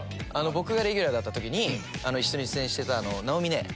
僕がレギュラーだった時に一緒に出演していた直美姉。